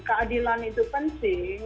keadilan itu penting